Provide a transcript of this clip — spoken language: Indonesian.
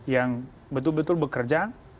yang betul betul bekerja